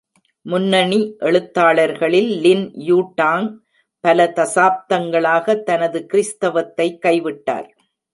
முன்னணி எழுத்தாளர்களில் Lin Yutang, பல தசாப்தங்களாக தனது கிறிஸ்தவத்தை கைவிட்டார்.